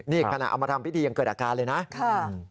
นี่ขณะเอามาทำพิธียังเกิดอาการเลยนะค่ะ